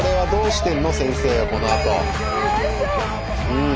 うん。